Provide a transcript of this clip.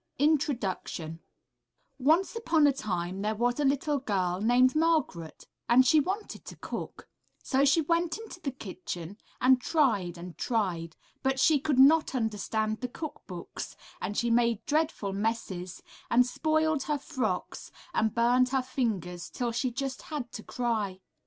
INTRODUCTION Once upon a time there was a little girl named Margaret, and she wanted to cook, so she went into the kitchen and tried and tried, but she could not understand the cook books, and she made dreadful messes, and spoiled her frocks and burned her fingers till she just had to cry.